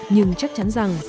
nhưng chắc chắn rằng